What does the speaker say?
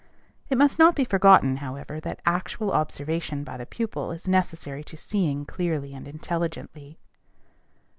It must not be forgotten, however, that actual observation by the pupil is necessary to seeing clearly and intelligently.